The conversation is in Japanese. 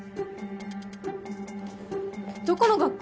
どこの学校？